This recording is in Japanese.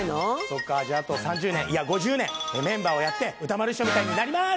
そっかじゃああと３０年いや５０年メンバーをやって歌丸師匠みたいになります！